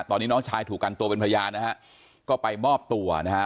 ตอนนี้น้องชายถูกกันตัวเป็นพยานนะฮะก็ไปมอบตัวนะฮะ